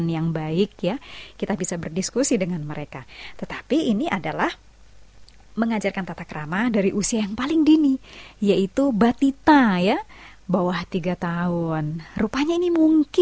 yang suka mendengarkan kabar yang dikandang